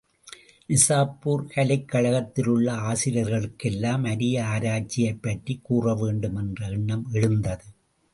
நிசாப்பூர் கலைக் கழகத்திலே உள்ள ஆசிரியர்களுக்கெல்லாம் அரிய ஆராய்ச்சியைப்பற்றிக் கூறவேண்டும் என்ற எண்ணம் எழுந்தது.